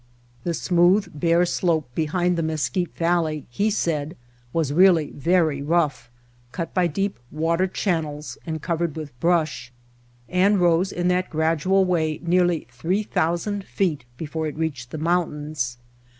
The smooth, bare slope beyond the Mesquite Valley, he said, was really very rough, cut by deep water channels and covered with brush; and rose in that gradual way nearly 3,000 feet before it reached the mountains.